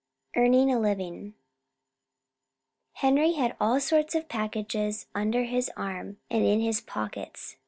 EARNING A LIVING Henry had all sorts of packages under his arm and in his pockets.